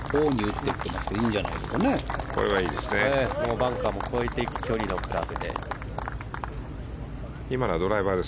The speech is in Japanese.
バンカーも越えていく距離のクラブで。